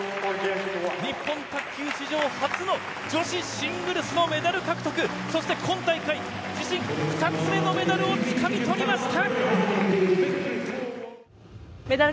日本卓球史上初の女子シングルスのメダル獲得そして今大会自身２つ目のメダルをつかみとりました！